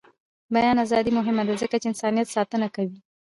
د بیان ازادي مهمه ده ځکه چې د انسانیت ساتنه کوي.